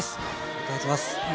いただきます。